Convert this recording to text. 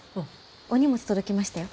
お荷物届きましたよ。